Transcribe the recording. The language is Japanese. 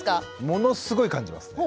ものすごい感じますね。